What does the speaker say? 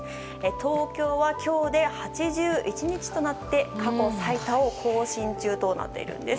東京は、今日で８１日となって過去最多を更新中なんです。